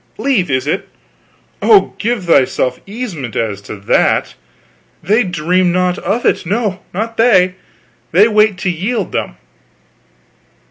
"Leave, is it? Oh, give thyself easement as to that. They dream not of it, no, not they. They wait to yield them."